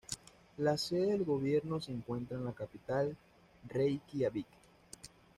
La sede del gobierno se encuentra en la capital, Reikiavik.